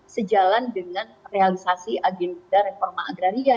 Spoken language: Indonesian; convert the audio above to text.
sejalan dengan realisasi agenda reforma agraria